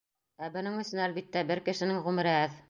Э бының өсөн, әлбиттә, бер кешенең ғүмере әҙ.